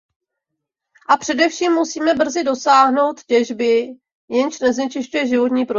A především musíme brzy dosáhnout těžby, jenž neznečišťuje životní prostředí.